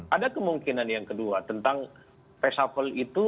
ada kemungkinan yang kedua tentang reshuffle itu